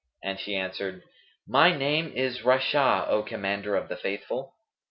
and she answered, "My name is Rashaa,[FN#221] 0 Commander of the Faithful."